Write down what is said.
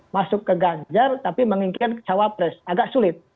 masuk ke ganjar tapi menginginkan cawapres agak sulit